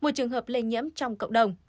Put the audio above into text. một trường hợp lây nhiễm trong cộng đồng